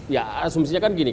ya asumsinya kan gini